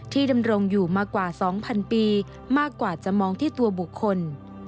ที่ดำลงอยู่มากกว่าสองพันปีมากกว่าจะมองที่ตัวบุคคล